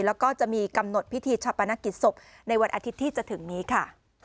แล้วก็จะมีกำหนดพิธีชาปนกิจศพในวันอาทิตย์ที่จะถึงนี้ค่ะ